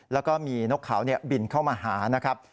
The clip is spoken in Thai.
แล้วก็มีนกขาวบินเข้ามาหา